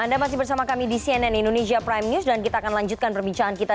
anda masih bersama kami di cnn indonesia prime news dan kita akan lanjutkan perbincangan kita